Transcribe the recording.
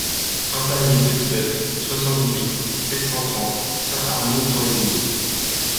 Impasse du Petit Boeuf, soixante-dix-huit, sept cent trente Saint-Arnoult-en-Yvelines